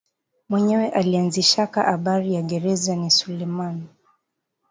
Mwenyewe alianzishaka abari ya gereza ni sulemani